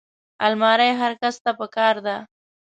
الماري هر کس ته پکار ده